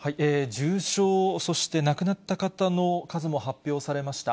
重症、そして亡くなった方の数も発表されました。